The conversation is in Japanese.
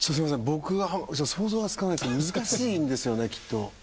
僕は想像がつかない難しいんですよねきっと。